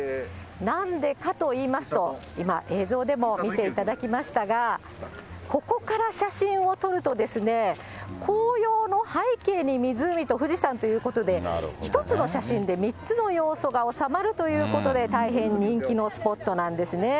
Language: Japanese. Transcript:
なんでかといいますと、今映像でも見ていただきましたが、ここから写真を撮ると、紅葉の背景に湖と富士山ということで、１つの写真で３つの要素が収まるということで、大変人気のスポットなんですね。